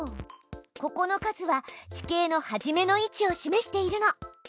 ここの数は地形の初めの位置を示しているの。